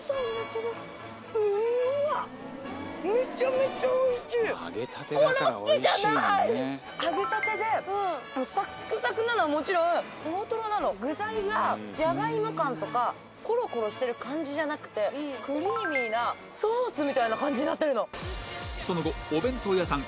このメチャメチャおいしい揚げたてでサックサクなのはもちろんトロトロなの具材がジャガイモ感とかコロコロしてる感じじゃなくてクリーミーなソースみたいな感じになってるのその後お弁当屋さん